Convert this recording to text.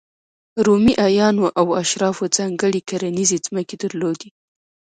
رومي اعیانو او اشرافو ځانګړې کرنیزې ځمکې درلودې.